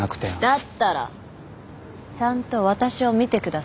だったらちゃんと私を見てください。